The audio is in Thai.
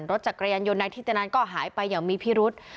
รถจักรยานยนต์นายธิตนันก็หายไปอย่างมีพิรุษ